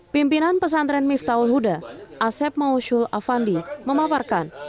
pimpinan pesantren miftahul huda asep maushul afandi memaparkan